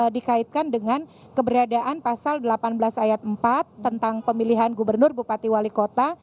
dikaitkan dengan keberadaan pasal delapan belas ayat empat tentang pemilihan gubernur bupati wali kota